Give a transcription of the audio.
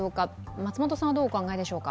松本さんはどうお考えでしょうか？